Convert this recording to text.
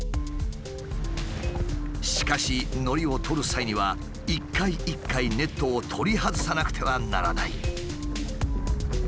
しかしのりを取る際には一回一回ネットを取り外さなくてはならない。